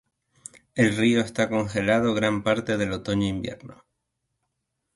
El río está congelado gran parte del otoño-invierno.